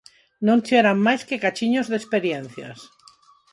Non che eran máis que cachiños de experiencias.